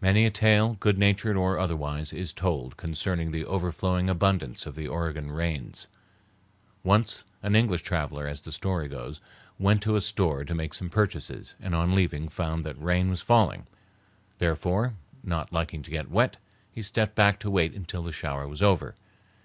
Many a tale, good natured or otherwise, is told concerning the overflowing abundance of the Oregon rains. Once an English traveler, as the story goes, went to a store to make some purchases and on leaving found that rain was falling; therefore, not liking to get wet, he stepped back to wait till the shower was over.